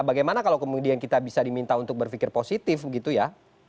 bagaimana kalau kemudian kita bisa diminta untuk berpikir positif gitu ya